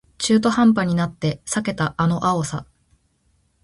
中途半端になって避けたあの青さ